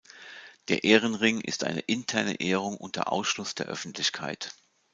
Der Ehrenring ist eine interne Ehrung unter Ausschluss der Öffentlichkeit.